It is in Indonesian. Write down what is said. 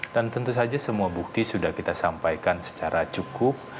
dan tentu saja semua bukti sudah kita sampaikan secara cukup